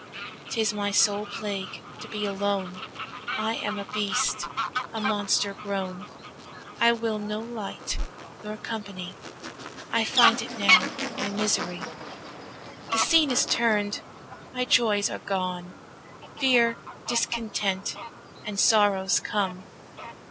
'Tis my sole plague to be alone, I am a beast, a monster grown, I will no light nor company, I find it now my misery. The scene is turn'd, my joys are gone, Fear, discontent, and sorrows come.